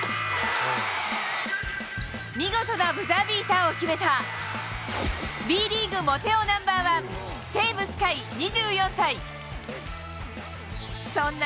見事なブザービーターを決めた、Ｂリーグモテ男ナンバーワン、テーブス海２４歳。